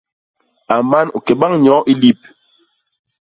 A man, u ke bañ nyoo i lip.